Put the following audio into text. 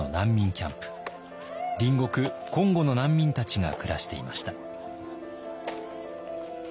隣国コンゴの難民たちが暮らしていました。